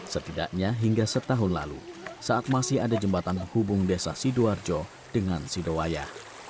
setidaknya hingga setahun lalu saat masih ada jembatan penghubung desa sidoarjo dengan sidowaya